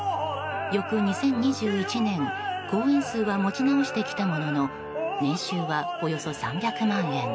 翌２０２１年公演数は持ち直してきたものの年収は、およそ３００万円。